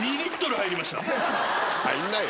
入んないよ。